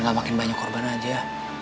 gak makin banyak korban aja